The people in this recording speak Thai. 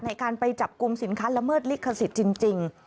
ในการไปจับกลุ่มสินค้าละเมิดลิขสิทธิ์จริง